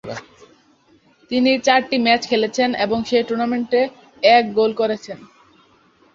তিনি চারটি ম্যাচ খেলেছেন এবং সেই টুর্নামেন্টে এক গোল করেছেন।